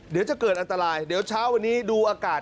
เดี๋ยวจะเกิดอันตรายเดี๋ยวเช้าวันนี้ดูอากาศ